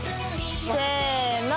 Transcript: せの。